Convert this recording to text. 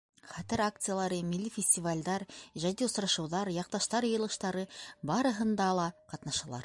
Хәтер акциялары, милли фестивалдәр, ижади осрашыуҙар, яҡташтар йыйылыштары — барыһында ла ҡатнашалар.